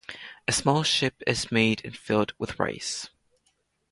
A small ship is made and filled with rice.